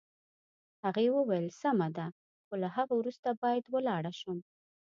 هغې وویل: سمه ده، خو له هغه وروسته باید ولاړه شم.